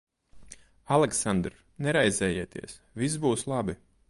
Aleksandr, neraizējieties. Viss būs labi.